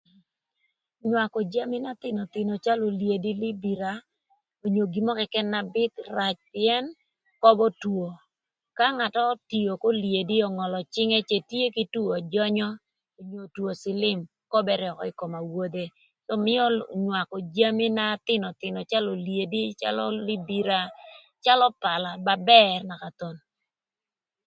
Nywakö jami na thïnöthïnö calö olyedi kï libira onyo gin mörö këkën na bïth rac pïën köbö two ka ngat otio k'olyedi öngölö cïngë cë tye kï two jönyö onyo two cïlim köbërë ökö ï köm awodhe. Do mïö nywakö jami na thïnöthïnö calö olyedi, calö libira, calö pala ba bër naka thon.